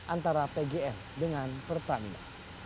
antara pgn dengan pertamina